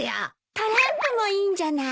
トランプもいいんじゃない？